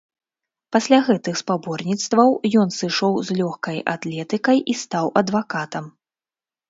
Пасля гэтых спаборніцтваў ён сышоў з лёгкай атлетыкай і стаў адвакатам.